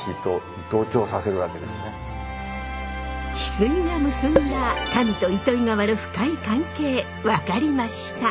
翡翠が結んだ神と糸魚川の深い関係分かりました。